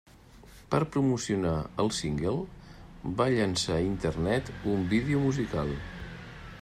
Per promocionar el single, va llençar a Internet un vídeo musical.